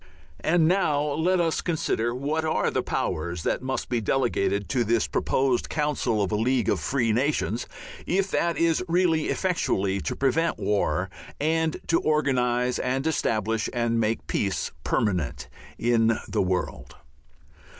And now let us consider what are the powers that must be delegated to this proposed council of a League of Free Nations, if that is really effectually to prevent war and to organize and establish and make peace permanent in the world.